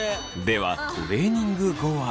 ではトレーニング後は。